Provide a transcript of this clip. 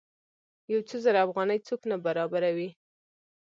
یو څو زره افغانۍ څوک نه برابروي.